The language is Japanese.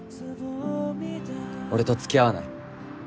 俺と付き合わない？